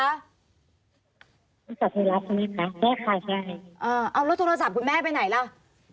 อ้าวแล้วโทรศัพท์คุณแม่ไปไหนแล้ว